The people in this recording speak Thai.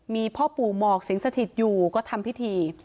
มีพ่อปู่หมอกสิงสถิตอยู่ก็ทำพิธี